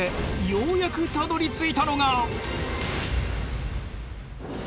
ようやくたどりついたのが。